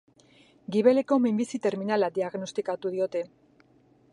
Gibeleko minbizi terminala diagnostikatu diote.